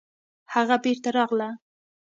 هغه بېرته راغله